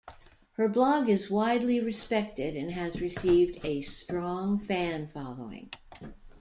Her blog is widely respected and has received a strong fan following.